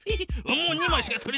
もう２まいしかとれない。